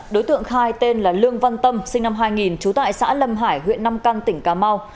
đối tượng khai tên là lương văn tâm sinh năm hai nghìn trú tại xã lâm hải huyện nam căng tỉnh cà mau